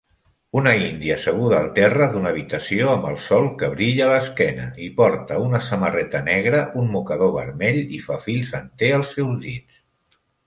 Una índia asseguda al terra d'una habitació amb el sol que brilla a l'esquena i porta una samarreta negra, un mocador vermell i fa fils enter els seus dits